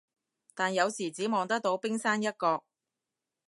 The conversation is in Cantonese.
但有時只望得到冰山一角